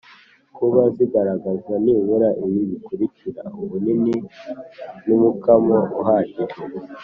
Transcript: Kuba zigaragaza nibura ibi bikurikira ubunini n’umukamo uhagije